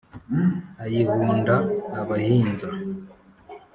ayihunda abahinza,